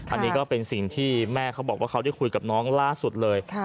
อันนี้ก็เป็นสิ่งที่แม่เขาบอกว่าเขาได้คุยกับน้องล่าสุดเลย